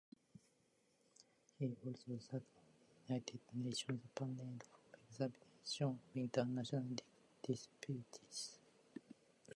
He also sat on the United Nations panel for examination of international disputes.